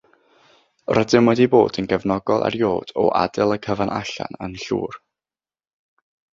Rydym wedi bod yn gefnogol erioed o adael y cyfan allan "yn llwyr".